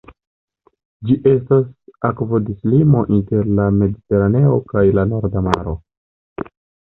Ĝi estas akvodislimo inter la Mediteraneo kaj la Norda Maro.